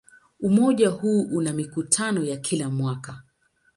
Umoja huu una mikutano ya kila mwaka.